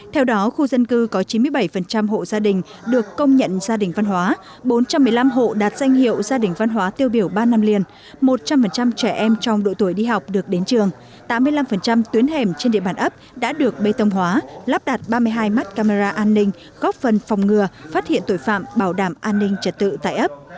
theo đó khu dân cư có chín mươi bảy hộ gia đình được công nhận gia đình văn hóa bốn trăm một mươi năm hộ đạt danh hiệu gia đình văn hóa tiêu biểu ba năm liền một trăm linh trẻ em trong độ tuổi đi học được đến trường tám mươi năm tuyến hẻm trên địa bàn ấp đã được bê tông hóa lắp đặt ba mươi hai mắt camera an ninh góp phần phòng ngừa phát hiện tội phạm bảo đảm an ninh trật tự tại ấp